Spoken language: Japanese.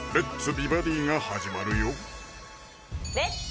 美バディ」が始まるよ「レッツ！